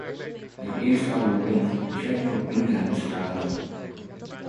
Het eerste amendement had betrekking op minderheidstalen.